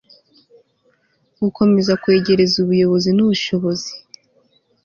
gukomeza kwegereza ubuyobozi n'ubushobozi